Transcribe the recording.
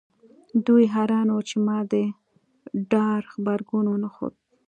دوی حیران وو چې ما د ډار غبرګون ونه ښود